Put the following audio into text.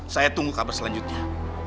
saya tunggu kabar selanjutnya